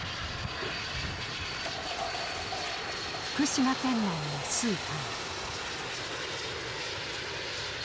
福島県内のスーパー。